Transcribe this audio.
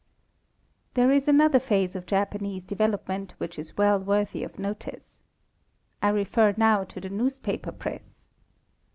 There is another phase of Japanese development which is well worthy of notice. Irefer now to the newspaper press.